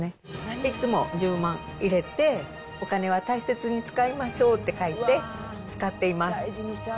いつも１０万入れて、お金は大切に使いましょうって書いて、使っています。